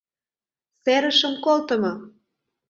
Серышым колтымо.